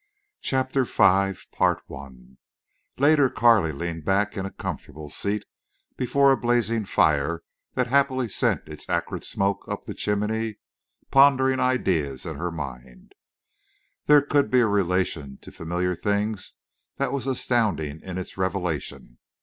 CHAPTER V Later Carley leaned back in a comfortable seat, before a blazing fire that happily sent its acrid smoke up the chimney, pondering ideas in her mind. There could be a relation to familiar things that was astounding in its revelation.